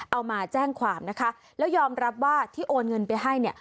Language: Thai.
เอามาแจ้งความนะคะแล้วยอมรับว่าที่โอนเงินไปให้เนี่ย